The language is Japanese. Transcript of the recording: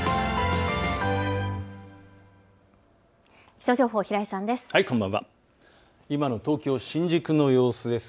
気象情報、平井さんです。